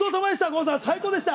郷さん、最高でした！